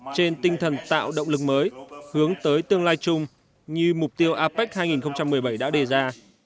trên tinh thần tạo động lực mới hướng tới tương lai chung như mục tiêu apec hai nghìn một mươi bảy đã đề ra